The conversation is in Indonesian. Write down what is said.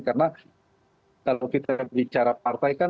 karena kalau kita bicara partai kan